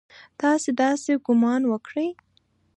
تاسې داسې ګومان وکړئ!